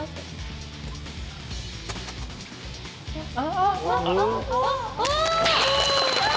ああ！